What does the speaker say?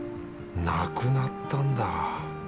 なくなったんだ